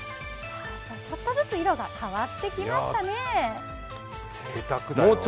ちょっとずつ色が変わってきましたね。